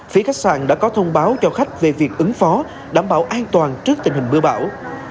phía khách sạn đã có thông báo cho khách về việc ứng phó đảm bảo an toàn trước tình hình mưa bão